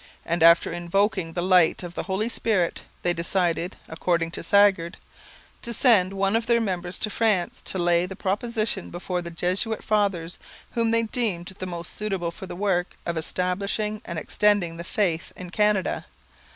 And, after invoking 'the light of the Holy Spirit,' they decided, according to Sagard, 'to send one of their members to France to lay the proposition before the Jesuit fathers, whom they deemed the most suitable for the work of establishing and extending the Faith in Canada.'